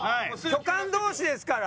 巨漢同士ですから。